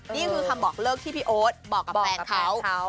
นี่คือคำบอกเลิกที่พี่โอ๊ตบอกกับแฟนเขา